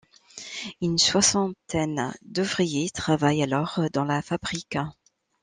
Une soixantaine d'ouvriers travaillent alors dans la fabrique.